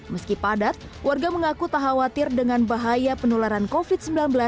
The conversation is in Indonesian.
meski padat warga mengaku tak khawatir dengan bahaya penularan covid sembilan belas